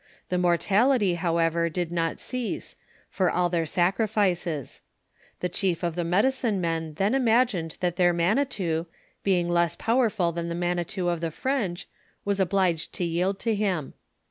The mortality, however, did not ceaae^ for all their saori fioea. The chief of the medicine men Uien imagined that their manitou, being lees powerful than the manitou of the French, was obliged to yield to him.